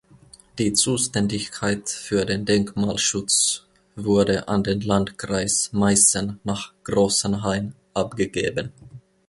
Die Zuständigkeit für den Denkmalschutz wurde an den Landkreis Meißen nach Großenhain abgegeben.